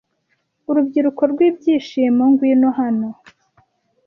Urubyiruko rwibyishimo ngwino hano